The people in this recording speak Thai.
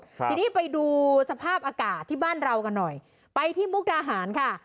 ทีนี้ไปดูสภาพอากาศที่บ้านเรากันหน่อยไปที่มุกดาหารค่ะ